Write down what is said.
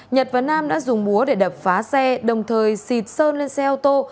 nhật và nam đã dùng búa để đập phá xe đồng thời xịt sơn lên xe ô tô